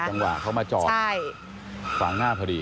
จังหวะเขามาจอดฝั่งหน้าพอดี